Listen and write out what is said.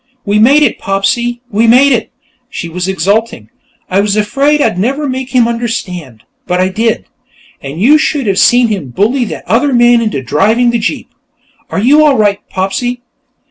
"We made it, Popsy! We made it!" she was exulting. "I was afraid I'd never make him understand, but I did. And you should have seen him bully that other man into driving the jeep. Are you all right, Popsy?"